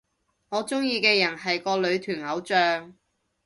我鍾意嘅人係個女團偶像